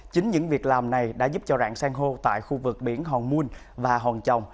chính những việc làm này đã giúp cho rạng sang hô tại khu vực biển hòn mun và hòn chồng